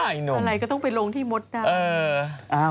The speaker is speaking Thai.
อะไรก็ต้องไปลงที่มดดำ